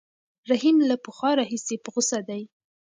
رحیم له پخوا راهیسې په غوسه دی.